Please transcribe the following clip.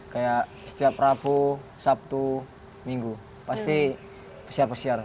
kayak setiap rabu sabtu minggu pasti pesiar pesiar